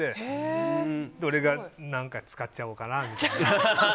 俺が何かに使っちゃおうかなみたいな。